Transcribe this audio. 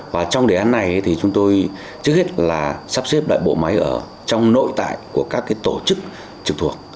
và trong đề án này thì chúng tôi trước hết là sắp xếp lại bộ máy ở trong nội tại của các tổ chức trực thuộc